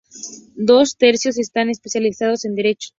Dos tercios están especializados en derecho.